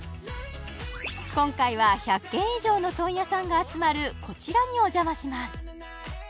今回は１００軒以上の問屋さんが集まるこちらにお邪魔します